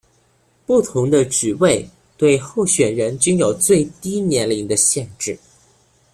不同的职位对候选人均有最低年龄的限制。